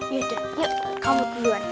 yaudah yuk kamu duluan